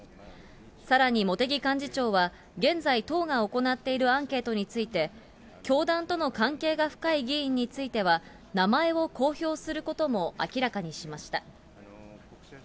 さらに茂木幹事長は、現在、党が行っているアンケートについて、教団との関係が深い議員については、名前を公表することも明らかにしました。